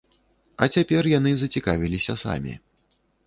А цяпер яны зацікавіліся самі.